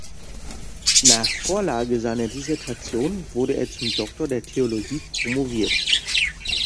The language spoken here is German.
Nach Vorlage seiner Dissertation wurde er zum Doktor der Theologie promoviert.